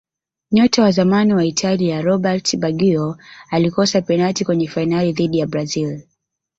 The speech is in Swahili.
nyota wa zamani wa Italia roberto baggio alikosa penati kwenye fainali dhidi ya brazil